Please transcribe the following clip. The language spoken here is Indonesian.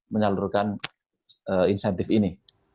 menyalurkan insentif ini